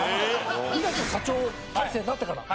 港社長体制になってから。